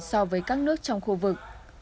so với các nước trong khu vực